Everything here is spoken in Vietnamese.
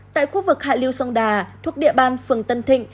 tại khu vực hạ liêu sông đà thuộc địa bàn phường tân thịnh